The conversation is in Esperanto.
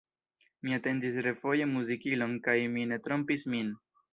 Mi atendis refoje muzikilon kaj mi ne trompis min.